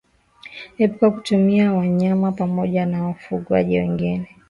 Epuka kutumia wanyama pamoja na wafugaji wengine